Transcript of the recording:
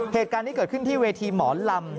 เหตุการณ์นี้เกิดขึ้นที่เวทีหมอลำ